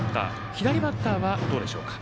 左バッターはどうでしょうか？